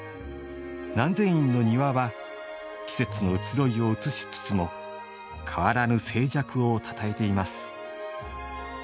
南禅院の庭は季節の移ろいを映しつつも変わらぬ静寂をたたえています。